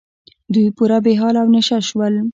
دوی پوره بې حاله او نشه شول.